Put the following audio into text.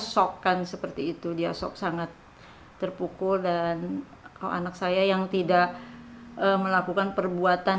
sok kan seperti itu dia sangat terpukul dan anak saya yang tidak melakukan perbuatan